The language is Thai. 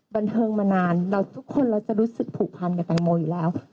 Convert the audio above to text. บันเทิงมานานเราทุกคนเราจะรู้สึกผูกพันกับแตงโมอยู่แล้ว